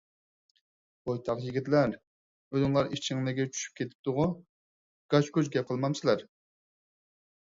بويتاق يىگىتلەر، ئۈنۈڭلار ئىچىڭلىگە چۈشۈپ كېتپىتىغۇ؟ گاچ-گۇچ گەپ قىلمامسىلەر؟